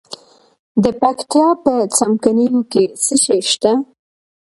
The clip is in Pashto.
د پکتیا په څمکنیو کې څه شی شته؟